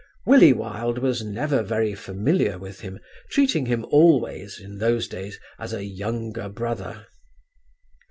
"Willie Wilde was never very familiar with him, treating him always, in those days, as a younger brother....